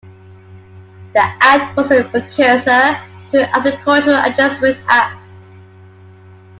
The Act was the precursor to the Agricultural Adjustment Act.